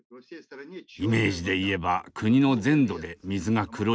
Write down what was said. イメージで言えば国の全土で水が黒いのです。